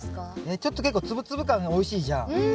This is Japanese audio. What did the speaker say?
ちょっと結構ツブツブ感がおいしいじゃん。